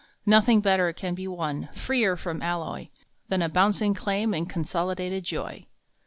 Nothing better can be won, Freer from alloy, Than a bouncing claim in " Con Solidated Joy."